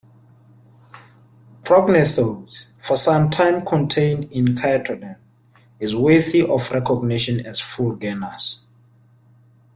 "Prognathodes", for some time contained in "Chaetodon", is worthy of recognition as full genus.